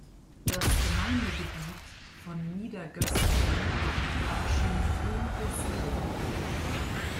Das Gemeindegebiet von Niedergösgen war schon früh besiedelt.